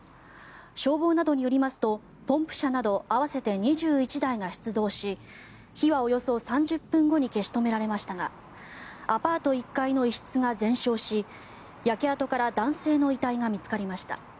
消防などによりますとポンプ車など合わせて２１台が出動し火はおよそ３０分後に消し止められましたがアパート１階の一室が全焼し焼け跡から男性の遺体が見つかりました。